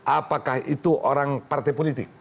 apakah itu orang partai politik